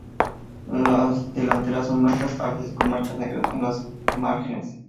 Las delanteras son blancas, a veces con marcas negras en las márgenes.